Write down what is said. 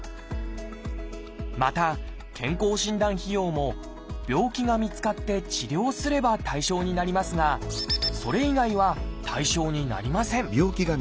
また健康診断費用も病気が見つかって治療すれば対象になりますがそれ以外は対象になりません。